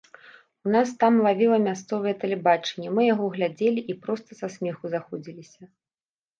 У нас там лавіла мясцовае тэлебачанне, мы яго глядзелі і проста са смеху заходзіліся.